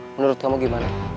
menurut kamu gimana